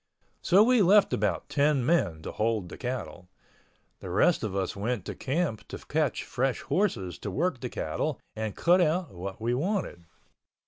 So we left about ten men to hold the cattle. The rest of us went to camp to catch fresh horses to work the cattle and cut out what we wanted.